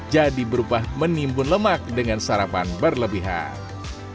jadi berubah menimbun lemak dengan sarapan berlebihan